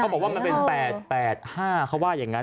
บอกว่ามันเป็น๘๘๕เขาว่าอย่างนั้น